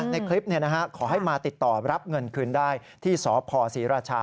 ในคลิปขอให้มาติดต่อรับเงินคืนได้ที่สพศรีราชา